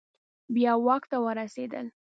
بیا واک ته ورسیدل